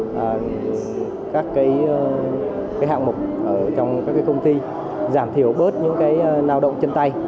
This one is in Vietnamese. và các cái hạng mục ở trong các cái công ty giảm thiểu bớt những cái lao động trên tay